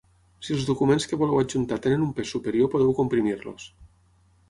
Si els documents que voleu adjuntar tenen un pes superior podeu comprimir-los.